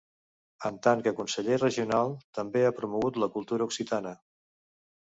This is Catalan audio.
En tant que conseller regional, també ha promogut la cultura occitana.